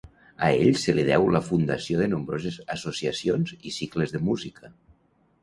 A ell se li deu la fundació de nombroses associacions i cicles de música.